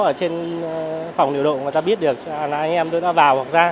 ở trên phòng điều động mà ta biết được là anh em đưa nó vào hoặc ra